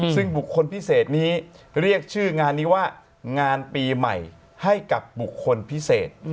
ซึ่งบุคคลพิเศษนี้เรียกชื่องานนี้ว่างานปีใหม่ให้กับบุคคลพิเศษ